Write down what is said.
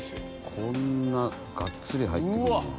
こんながっつり入って来んねや。